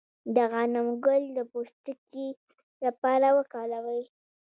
د غنم ګل د پوستکي لپاره وکاروئ